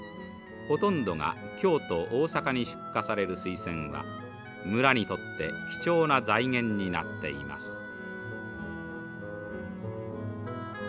ほとんどが京都大阪に出荷されるスイセンは村にとって貴重な財源になっています。